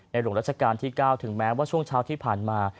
หลวงราชการที่๙ถึงแม้ว่าช่วงเช้าที่ผ่านมา